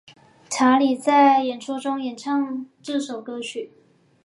查理在演出中演唱这首歌曲。